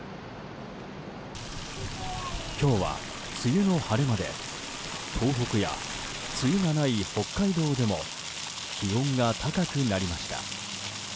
今日は梅雨の晴れ間で東北や梅雨がない北海道でも気温が高くなりました。